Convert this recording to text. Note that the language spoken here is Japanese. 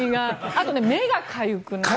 あとは目がかゆくなる。